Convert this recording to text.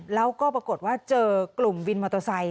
แล้วก็ปรากฏว่าเจอกลุ่มวินมอเตอร์ไซค